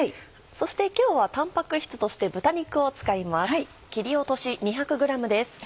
そして今日はタンパク質として豚肉を使います。